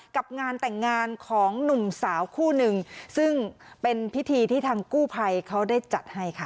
กับงานแต่งงานของหนุ่มสาวคู่หนึ่งซึ่งเป็นพิธีที่ทางกู้ภัยเขาได้จัดให้ค่ะ